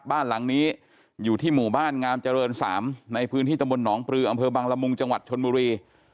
บ้านหลังนี้อยู่ที่หมู่บ้านงามเจริญ๓ในพื้นที่ตมหนองปลืออบังลมุงจชนมุรี